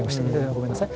ごめんなさい。